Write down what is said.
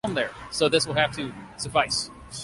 এই কেন্দ্রটি ত্রিপুরা পশ্চিম লোকসভা কেন্দ্রের অন্তর্গত।